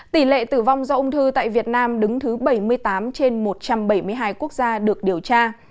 tỷ lệ tử vong do ung thư tại việt nam đứng thứ bảy mươi tám trên một trăm bảy mươi hai quốc gia được điều tra